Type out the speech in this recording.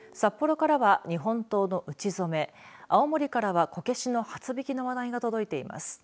札幌からは日本刀の打初め青森からは、こけしの初びきの話題が届いています。